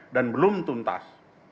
dan belum tuntas